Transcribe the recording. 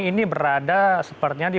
ini berada sepertinya di